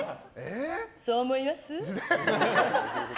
そう思います？